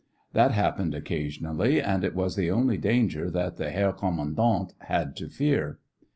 That happened occasionally and it was the only danger that the Herr Kommandant had to fear.